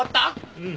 うん。